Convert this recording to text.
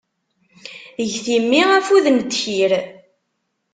Get i mmi afud n ddkir.